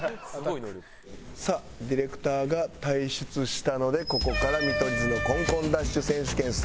さあディレクターが退室したのでここから見取り図のコンコンダッシュ選手権スタートです。